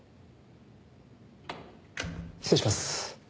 失礼します。